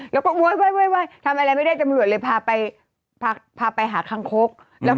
แล้วก็โว๊ยทำอะไรไม่ได้ตำรวจเลยพาไปพาไปหาคังคก